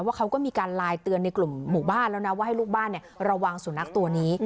เขาก็มีการไลน์เตือนในกลุ่มหมู่บ้านแล้วนะว่าให้ลูกบ้านระวังสุนัขตัวนี้